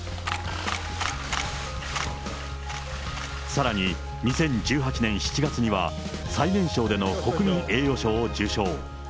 さらに２０１８年７月には、最年少での国民栄誉賞を受賞。